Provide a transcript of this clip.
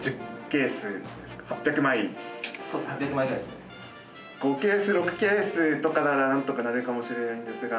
５ケース６ケースとかならなんとかなるかもしれないんですが。